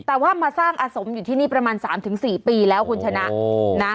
แต่ว่ามาสร้างอสมอยู่ที่นี่ประมาณสามถึงสี่ปีแล้วคุณชนะโอ้